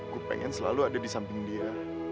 aku pengen selalu ada di samping dia